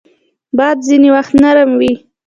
باد ځینې وخت نرم وي